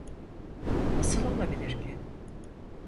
Nasıl olabilir ki?